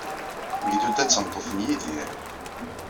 Megduda d tameṭṭut n Yidir.